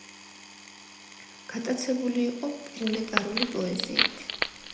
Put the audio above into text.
გატაცებული იყო პროლეტარული პოეზიით.